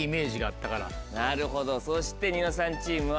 なるほどそして『ニノさん』チームは。